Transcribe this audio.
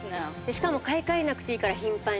しかも買い替えなくていいから頻繁に。